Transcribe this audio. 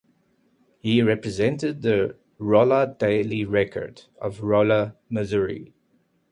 He represented the "Rolla Daily Record" of Rolla, Missouri.